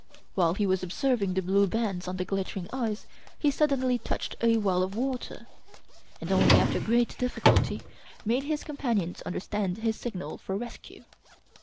While he was observing the blue bands on the glittering ice, he suddenly touched a well of water, and only after great difficulty made his companions understand his signal for rescue.